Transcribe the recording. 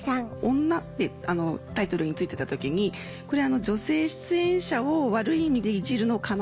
「女」ってタイトルに付いてた時にこれ女性出演者を悪い意味でいじるのかな。